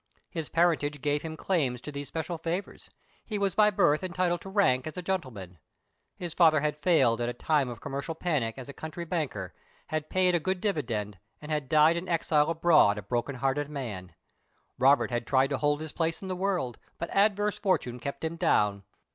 His parentage gave him claims to these special favors; he was by birth entitled to rank as a gentleman. His father had failed at a time of commercial panic as a country banker, had paid a good dividend, and had died in exile abroad a broken hearted man. Robert had tried to hold his place in the world, but adverse fortune kept him down.